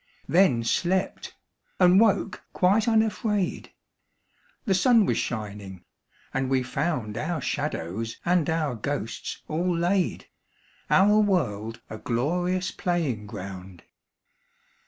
Then slept, and woke quite unafraid. The sun was shining, and we found Our shadows and our ghosts all laid, Our world a glorious playing ground.